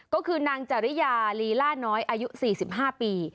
ก็คือนางจริยาลีล่าน้อยอายุ๔๕ปี